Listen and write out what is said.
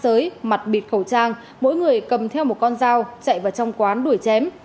giới mặt bịt khẩu trang mỗi người cầm theo một con dao chạy vào trong quán đuổi chém